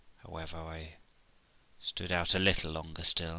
However, I stood out a little longer still.